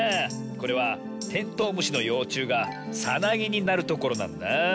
これはテントウムシのようちゅうがさなぎになるところなんだあ。